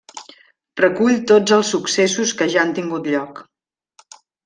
Recull tots els successos que ja han tingut lloc.